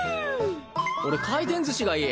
俺回転寿司がいい。